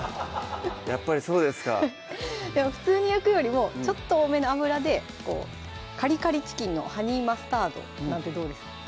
やっぱりそうですかでも普通に焼くよりもちょっと多めの油でこう「カリカリチキンのハニーマスタード」なんてどうですか？